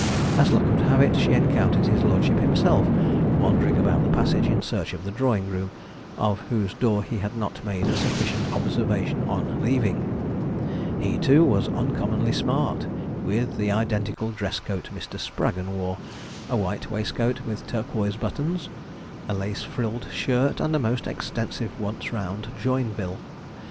As luck would have it, she encountered his lordship himself wandering about the passage in search of the drawing room, of whose door he had not made a sufficient observation on leaving. He too, was uncommonly smart, with the identical dress coat Mr. Spraggon wore, a white waistcoat with turquoise buttons, a lace frilled shirt, and a most extensive once round Joinville.